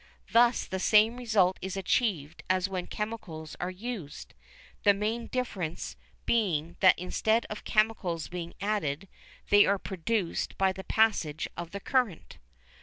Thus the same result is achieved as when chemicals are used, the main difference being that instead of chemicals being added, they are produced by the passage of the current.